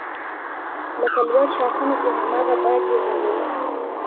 لکه لوړ ښاخونه چې هماغه باد یې زنګوي